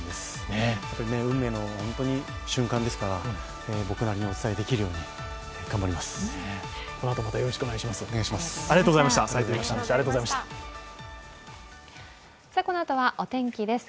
運命の瞬間ですから僕なりにお伝えできるよう頑張ります。